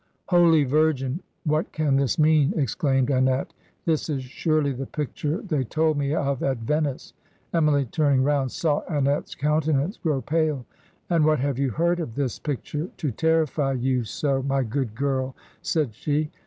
'Holy Virgin! What can this mean?' exclaimed Annette. 'This is surely the picture they told me of at Venice.' Emily, turning round, saw Annette's countenance grow pale. 'And what have you heard of this picture to terrify you so, my good girl?' said she.